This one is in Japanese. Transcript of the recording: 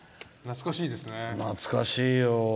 懐かしいよ。